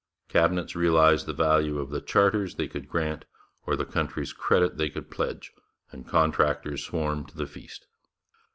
Cabinets realized the value of the charters they could grant or the country's credit they could pledge, and contractors swarmed to the feast.